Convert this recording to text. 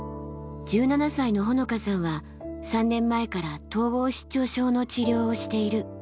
１７歳のほのかさんは３年前から統合失調症の治療をしている。